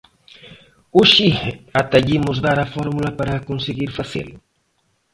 Hoxe ata lle imos dar a fórmula para conseguir facelo.